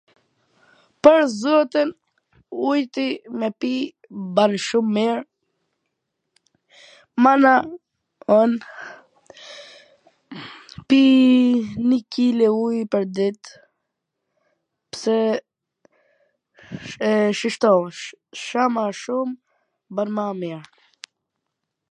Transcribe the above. Pwr zotin, ujti me pi ban shum mir, mana un pii ni kile uj pwrdit, pse, shishto, sa MA SHUM BAN MA MIR.